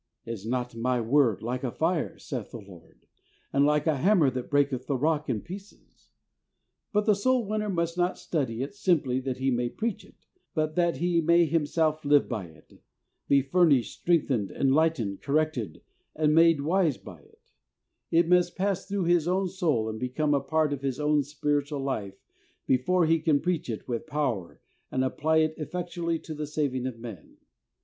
"Is not My Word like a fire? saith the Lord, and like a hammer that breaketh the rock in pieces?" But the soul winner must not study it simply that he may preach it, but that he may himself live by it, be furnished, strength ened, enlightened, corrected and made wise STUDIES OF THE SOUL WINNER. 63 by it. It must pass through his own soul and become a part of his own spiritual life before he can preach it with power and apply it effectually to the saving of men.